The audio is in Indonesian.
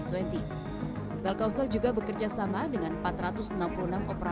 telkomsel juga bekerja sama dengan empat ratus enam puluh enam operasi